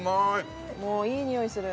もういいにおいする。